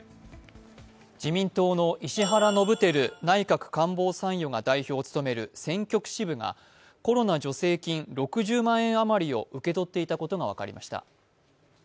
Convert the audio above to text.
自民党の石原伸晃内閣官房参与が代表を務める選挙区支部がコロナ助成金６０万円余りを受け取っていたことが分かりました。